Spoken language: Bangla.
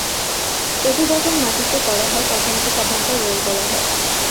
এটি যখন মাটিতে করা হয় তখন একে সাধারণত রোল বলা হয়।